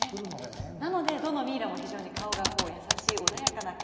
なのでどのミイラも非常に顔が優しい穏やかな顔